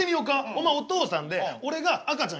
お前お父さんで俺が赤ちゃんやるわ。